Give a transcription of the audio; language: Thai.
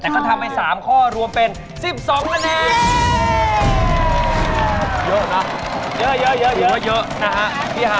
แต่เขาทำให้๓ข้อรวมเป็น๑๒นาที